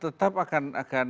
tetap akan berkembang